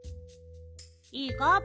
いいか？